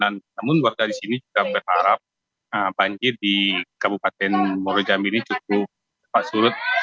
namun warga di sini juga berharap banjir di kabupaten muarajambi ini cukup surut